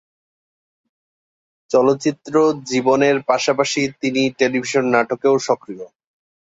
চলচ্চিত্র জীবনের পাশাপাশি তিনি টেলিভিশন নাটকেও সক্রিয়।